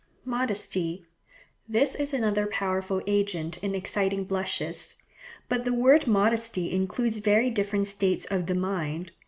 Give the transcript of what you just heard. Modesty.—This is another powerful agent in exciting blushes; but the word modesty includes very different states of the mind.